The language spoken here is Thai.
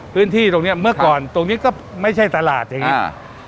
พื้นที่ตรงเนี้ยเมื่อก่อนตรงนี้ก็ไม่ใช่ตลาดอย่างนี้